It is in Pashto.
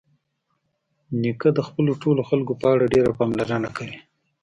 نیکه د خپلو ټولو خلکو په اړه ډېره پاملرنه کوي.